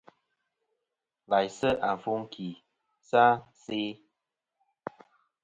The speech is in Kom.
Laysɨ àfuŋ ki sɨ a se'i.